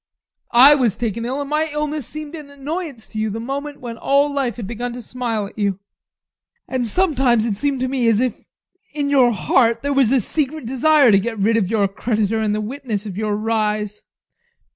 I was taken ill, and my illness seemed an annoyance to you at the moment when all life had just begun to smile at you and sometimes it seemed to me as if, in your heart, there was a secret desire to get rid of your creditor and the witness of your rise.